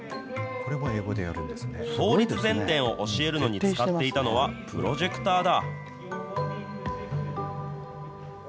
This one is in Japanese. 倒立前転を教えるのに使っていたのは、プロジェクターだ。